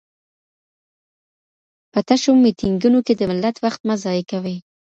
په تشو میټینګونو کي د ملت وخت مه ضایع کوئ.